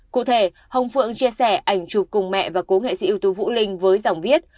cụ thể ông phượng chia sẻ ảnh chụp cùng mẹ và cố nghệ sĩ ưu tú vũ linh với dòng viết